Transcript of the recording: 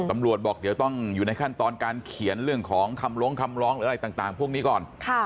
ตำรวจบอกเดี๋ยวต้องอยู่ในขั้นตอนการเขียนเรื่องของคำร้องคำร้องหรืออะไรต่างพวกนี้ก่อน